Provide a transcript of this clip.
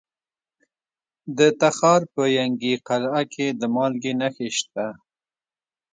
د تخار په ینګي قلعه کې د مالګې نښې شته.